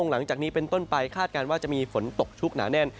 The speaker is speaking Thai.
หลังจากนี้เป็นต้นไปคาดการณ์ว่าจะมีฝนตกชุกหนาแน่น